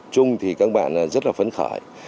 chung thì các bạn rất là phấn khởi